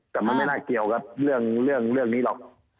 แต่มันไม่น่าเกี่ยวกับเรื่องนี้หรอก